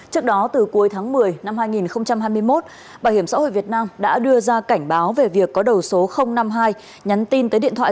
trước đó từ cuối tháng một mươi năm hai nghìn hai mươi một bảo hiểm xã hội việt nam đã đưa ra cảnh báo về việc có đầu số năm mươi hai nhắn tin tới điện thoại